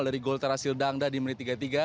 dari gol terasil dangda di menit tiga puluh tiga